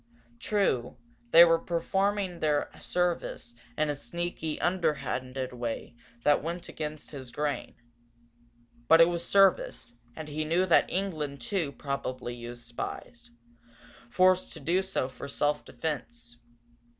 True, they were performing their service in a sneaky, underhanded way that went against his grain. But it was service, and he knew that England, too, probably used spies, forced to do so for self defence.